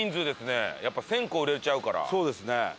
そうですね。